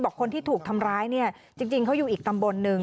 คนที่ถูกทำร้ายเนี่ยจริงเขาอยู่อีกตำบลหนึ่ง